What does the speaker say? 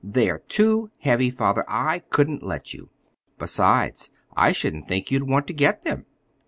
They're too heavy father. I couldn't let you. Besides, I shouldn't think you'd want to get them!"